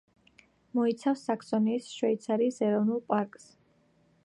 მოიცავს საქსონიის შვეიცარიის ეროვნულ პარკს.